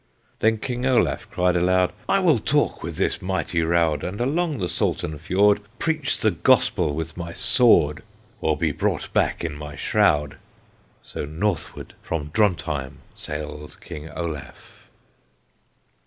Then King Olaf cried aloud: "I will talk with this mighty Raud, And along the Salten Fiord Preach the Gospel with my sword, Or be brought back in my shroud!" So northward from Drontheim Sailed King Olaf!